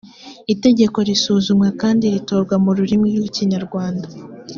itegeko risuzumwa kandi ritorwa mu rurimi rw’ikinyarwanda